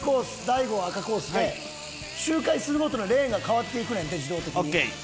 大悟は赤コースで周回するごとのレーンが変わっていくねんて自動的に。